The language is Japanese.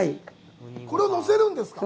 これを乗せるんですか？